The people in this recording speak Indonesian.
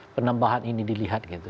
penambahan ini dilihat gitu